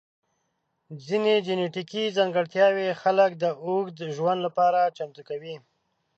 ځینې جنیټیکي ځانګړتیاوې خلک د اوږد ژوند لپاره چمتو کوي.